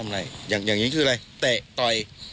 อะไรอย่างนี้คืออะไรเตะต่อย